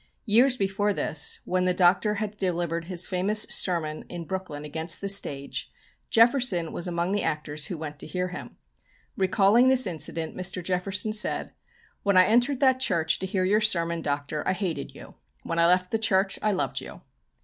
Years before this, when the Doctor had delivered his famous sermon in Brooklyn against the stage, Jefferson was among the actors who went to hear him. Recalling this incident, Mr. Jefferson said: "When I entered that church to hear your sermon, Doctor, I hated you. When I left the church, I loved you."